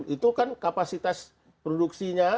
itu kan kapasitas produksinya